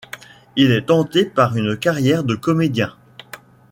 Il est tenté par une carrière de comédien.